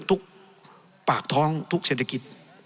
ทุกปากท้องทุกเศรษฐกิจ